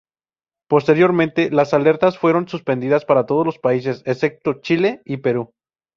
Posteriormente las alertas fueron suspendidas para todos los países excepto Chile y Perú.